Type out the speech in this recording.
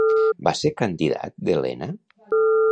Va ser candidat d'Helena?